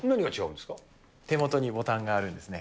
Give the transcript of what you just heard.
手元にボタンがあるんですね。